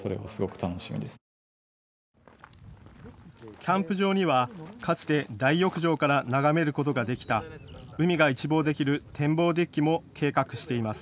キャンプ場にはかつて大浴場から眺めることができた海が一望できる展望デッキも計画しています。